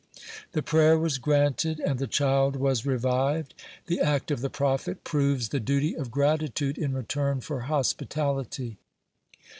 (13) The prayer was granted, and the child was revived. The act of the prophet proves the duty of gratitude in return for hospitality.